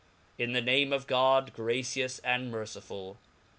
TN the name of God, gracious and merclfull.